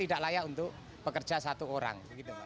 tidak layak untuk pekerja satu orang